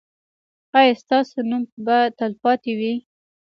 ایا ستاسو نوم به تلپاتې وي؟